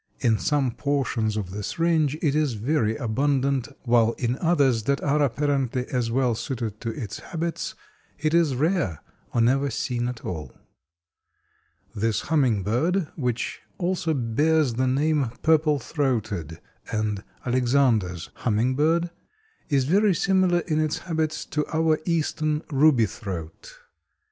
In some portions of this range it is very abundant, while in others that are apparently as well suited to its habits it is rare, or never seen at all. This Hummingbird, which also bears the name Purple throated and Alexandre's Hummingbird, is very similar in its habits to our eastern ruby throat.